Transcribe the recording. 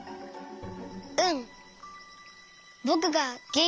うん。